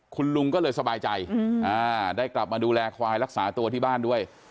คุณลุงก็เลยสบายใจได้กลับมาดูแลควายรักษาตัวที่บ้านด้วย